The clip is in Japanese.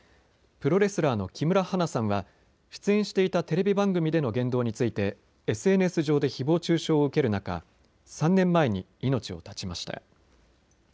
プロレスラーの木村花さんは出演していたテレビ番組での言動についてＳＮＳ上でひぼう中傷を受ける中、３年前に命を絶ちました。